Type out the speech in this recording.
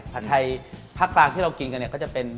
ผัดไทยภาคต่างที่เรากินกันก็จะเป็น